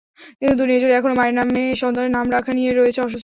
কিন্তু দুনিয়াজুড়ে এখনো মায়ের নামে সন্তানের নাম রাখা নিয়ে আছে নানা অস্বস্তি।